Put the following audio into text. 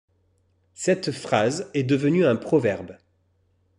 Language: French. Cette phrase est devenue un proverbe.